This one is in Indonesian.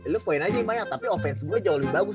lu point aja yang banyak tapi offense gua jauh lebih bagus